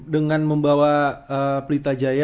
dengan membawa pelita jaya